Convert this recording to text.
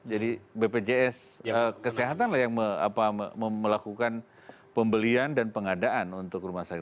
jadi bpjs kesehatan lah yang melakukan pembelian dan pengadaan untuk rumah sakit